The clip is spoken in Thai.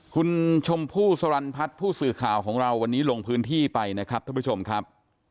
คุณชมพู่สรรพัฒน์ผู้สื่อข่าวของเราวันนี้ลงพื้นที่ไปนะครับท่านผู้ชมครับ